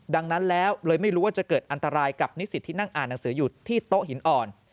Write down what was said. ดังนั้นแล้วเลยไม่รู้ว่าจะเกิดอันตรายกับนิสิตที่นั่งอ่านหนังสืออยู่ที่โต๊ะหินอ่อน